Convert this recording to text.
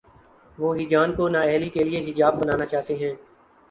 وہ ہیجان کو نا اہلی کے لیے حجاب بنانا چاہتے ہیں۔